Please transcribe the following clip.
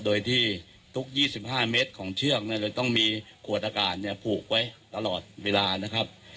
โดยที่ทุก๒๕เมตรของเชือกจะต้องมีขวดอากาศผูกไว้ตลอดเวลานะครับ